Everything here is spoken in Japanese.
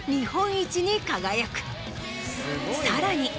さらに。